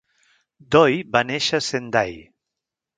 Doi va néixer a Sendai.